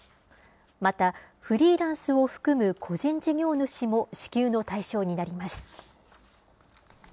また、フリーランスを含む個人事業主も支給の対象になります。